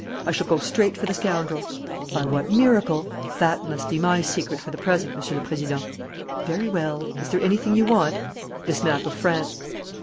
I shall go straight for the scoundrel." "By what miracle?" "That must be my secret for the present, Monsieur le Président." "Very well. Is there anything you want?" "This map of France."